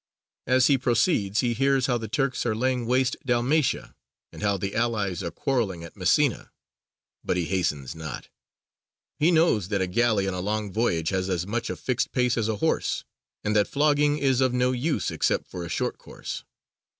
As he proceeds, he hears how the Turks are laying waste Dalmatia, and how the Allies are quarrelling at Messina, but he hastens not: he knows that a galley on a long voyage has as much a fixed pace as a horse, and that flogging is of no use except for a short course.